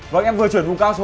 mày để tiền đâu